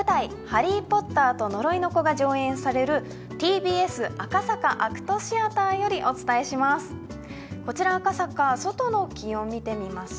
「ハリー・ポッターと呪いの子」が上演されるＴＢＳ・ＡＣＴシアターよりお届けします